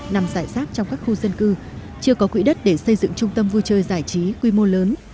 nằm giải sát trong các khu dân cư chưa có quỹ đất để xây dựng trung tâm vui chơi giải trí quy mô lớn